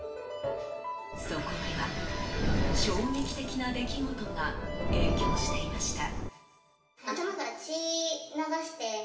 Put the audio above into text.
そこには、衝撃的な出来事が影響していました。